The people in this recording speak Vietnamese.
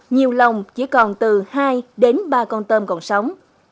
nhiều lòng chỉ còn từ hai đến ba con tôm còn sống